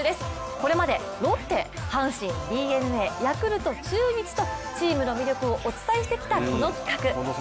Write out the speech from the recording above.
これまでロッテ、阪神、ＤｅＮＡヤクルト、中日とチームの魅力をお伝えしてきたこの企画。